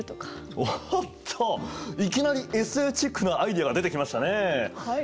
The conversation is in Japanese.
おっといきなりＳＦチックなアイデアが出てきましたねえ。はい。